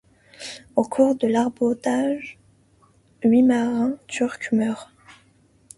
Au cours de l’abordage, huit marins turcs meurent.